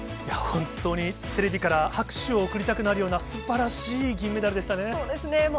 本当にテレビから拍手を送りたくなるような、すばらしい銀メダルそうですね、